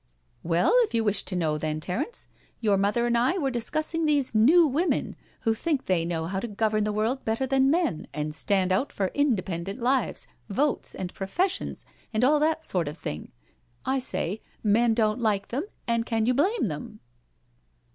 • Well, if you wish to know^ then, Terence, your mother and I were discussing these New Women who think they know how to govern the world better than men, and stand out for independent lives, votes, and professions, and all that sort of thing. I say, men don't like them, and can you blame them?